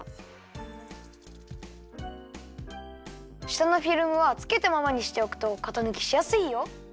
したのフィルムはつけたままにしておくとかたぬきしやすいよ。